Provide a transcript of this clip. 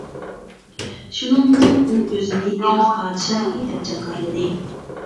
شۇنىڭ بىلەن ئۇ ئۆزىنى «ئىراق پادىشاھى» دەپ جاكارلىدى.